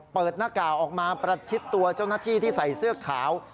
เปิดหน้ากากออกมาประชิดตัวเจ้าหน้าที่ที่ใส่เสื้อขาว